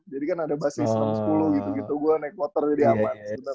jadi kan ada basis enam sepuluh gitu gue naik motor jadi aman sebenernya